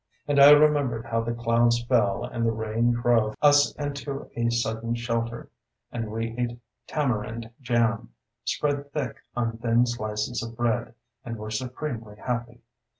And I remembered how the clouds fell and the rain drove as into a sudden shelter, and we ate tamarind jam, spread thick on thin slices of bread, and were supremely happy.